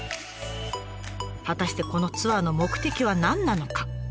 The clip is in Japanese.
果たしてこのツアーの目的は何なのか？